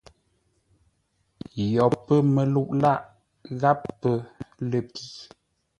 Yo pə̂ məlu lâʼ gháp pə ləpi.